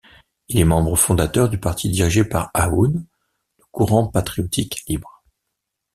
Il est membre fondateur du parti dirigé par Aoun, le Courant patriotique libre.